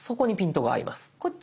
こっち？